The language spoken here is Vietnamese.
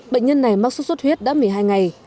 bệnh nhân này mắc sốt xuất huyết đã một mươi hai ngày